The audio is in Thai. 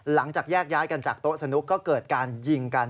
หลังจากแยกย้ายกันจากโต๊ะสนุกก็เกิดการยิงกัน